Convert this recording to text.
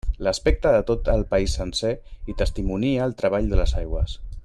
L'aspecte de tot el país sencer hi testimonia el treball de les aigües.